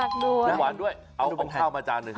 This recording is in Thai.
หมูหวานด้วยเอาข้าวมาจานหนึ่ง